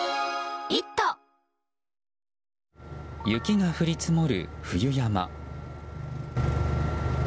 雪が降り積もる冬山。